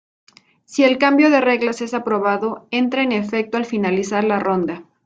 Si el cambio de reglas es aprobado, entra en efecto al finalizar la ronda.